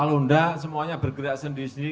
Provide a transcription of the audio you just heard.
kalau enggak semuanya bergerak sendiri sendiri